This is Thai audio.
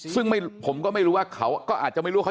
ซึ่งผมก็ไม่รู้ว่าเขาก็อาจจะไม่รู้ว่าเขา